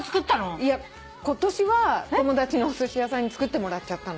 いや今年は友達のおすし屋さんに作ってもらっちゃったの。